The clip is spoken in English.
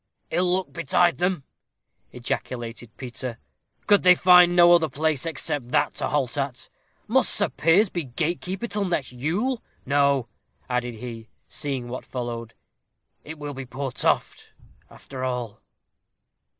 "Ill luck betide them!" ejaculated Peter; "could they find no other place except that to halt at? Must Sir Piers be gatekeeper till next Yule! No," added he, seeing what followed; "it will be poor Toft, after all."